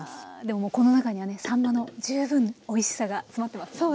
でももうこの中にはねさんまの十分おいしさが詰まってますね。